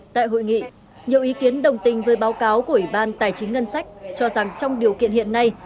tại hội nghị nhiều ý kiến đồng tình với báo cáo của ủy ban tài chính ngân sách cho rằng trong điều kiện hiện nay